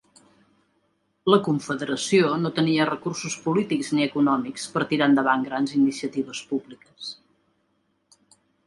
La Confederació no tenia recursos polítics ni econòmics per tirar endavant grans iniciatives públiques.